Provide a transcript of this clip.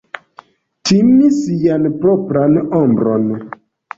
Timi sian propran ombron.